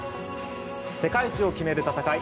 世界一を決める戦い